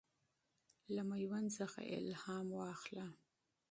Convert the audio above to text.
له میوند څخه الهام واخله.